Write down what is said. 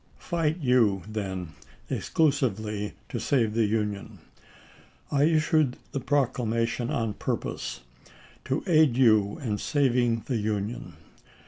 Fight you, then, exclusively to save the Union. I issued the proclamation on purpose to aid you in saving the Union.